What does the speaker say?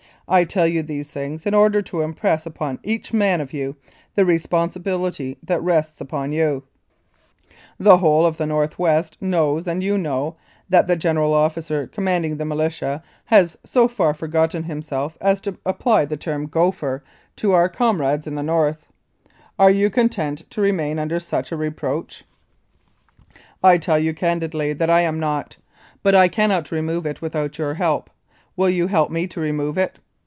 I tell you these things in order to impress upon each man of you the responsibility that rests upon you. "The whole North West knows, and you know, that the General Officer Commanding the Militia has so far forgotten himself as to apply the term ' gopher ' to 24 Rebellion Year, 1885. Regina our comrades in the north. Are you content to remain under such a reproach ? I tell you candidly that I am not, but I cannot remove it without your help. Will you help me to remove it?